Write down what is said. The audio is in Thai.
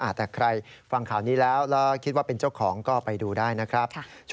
แต่ใครฟังข่าวนี้แล้วแล้วคิดว่าเป็นเจ้าของก็ไปดูได้นะครับ